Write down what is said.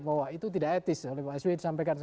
bahwa itu tidak etis oleh pak s w i disampaikan